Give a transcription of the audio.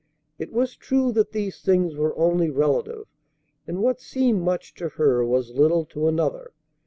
It was true that these things were only relative, and what seemed much to her was little to another.